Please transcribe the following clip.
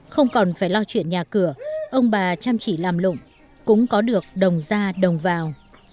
không còn phải lo chuyện nhà cửa ông bà chăm chỉ làm lụng cũng có được đồng ra đồng vào